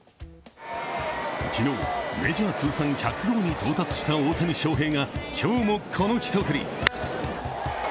昨日メジャー通算１００号に到達した大谷翔平が今日も、このひと振り。